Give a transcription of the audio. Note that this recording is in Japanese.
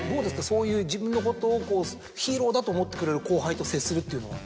そういう自分のことをヒーローだと思ってくれる後輩と接するっていうのは？